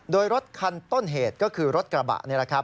โดยรถคันต้นเหตุก็คือรถกระบะนี่